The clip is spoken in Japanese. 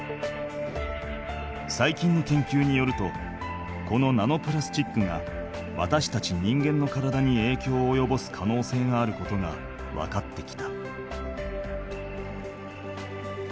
さいきんの研究によるとこのナノプラスチックがわたしたち人間の体に影響をおよぼす可能性があることが分かってきた。